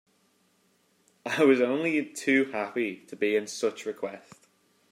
I was only too happy to be in such request.